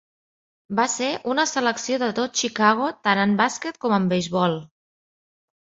Va ser una selecció de tot Chicago tant en bàsquet com en beisbol.